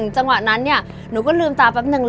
จังหวะนั้นหนูก็ลืมตาแป๊บหนึ่ง